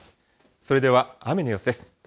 それでは雨の様子です。